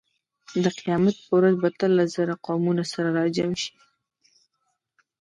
د قیامت په ورځ به اتلس زره قومونه سره راجمع شي.